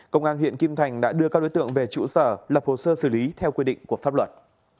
công an huyện kim thành đã đưa các đối tượng về trụ sở lập hồ sơ xử lý theo quy định của pháp luật